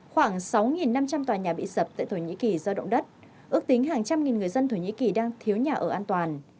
khoảng sáu năm trăm linh tòa nhà bị sập tại thổ nhĩ kỳ do động đất ước tính hàng trăm nghìn người dân thổ nhĩ kỳ đang thiếu nhà ở an toàn